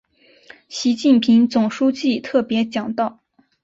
习近平总书记特别讲到